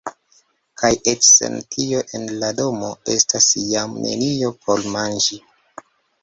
Kaj eĉ sen tio en la domo estas jam nenio por manĝi.